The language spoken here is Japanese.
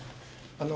あの。